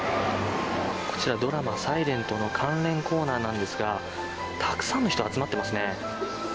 こちらドラマのｓｉｌｅｎｔの関連コーナーなんですがたくさんの人が集まっていますね。